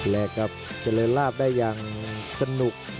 และกับเจริญลาบได้อย่างสนุก